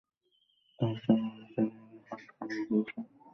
তার ক্যারিয়ারে, হার্ট কোনও পায়ুসঙ্গম দৃশ্য করেননি।